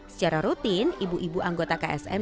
secara rutin ibu ibu anggota ksm dan petugas ksp